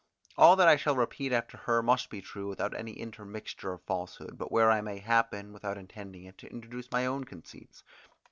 All that I shall repeat after her, must be true, without any intermixture of falsehood, but where I may happen, without intending it, to introduce my own conceits.